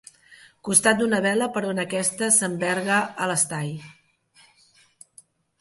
Costat d'una vela per on aquesta s'enverga a l'estai.